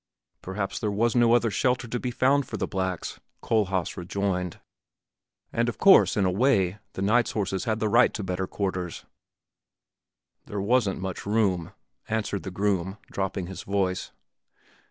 "Perhaps there was no other shelter to be found for the blacks," Kohlhaas rejoined; "and of course, in a way, the knights' horses had the right to better quarters." "There wasn't much room," answered the groom, dropping his voice.